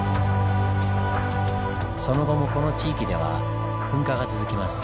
その後もこの地域では噴火が続きます。